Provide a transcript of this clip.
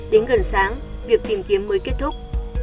đến gần sáng việc tìm kiếm mới kết thúc